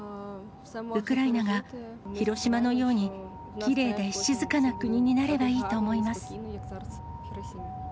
ウクライナが広島のように、きれいで静かな国になればいいと思います。